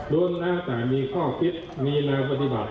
โดนและแต่มีข้อคิดมีแรงปฏิบัติ